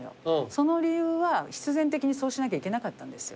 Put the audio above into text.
その理由は必然的にそうしなきゃいけなかったんですよ。